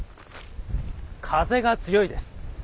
風が強いです。